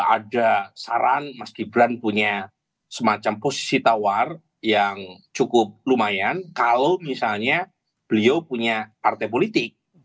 ada saran mas gibran punya semacam posisi tawar yang cukup lumayan kalau misalnya beliau punya partai politik